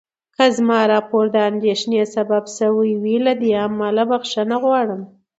که زما راپور د اندېښنې سبب شوی وي، له دې امله بخښنه غواړم.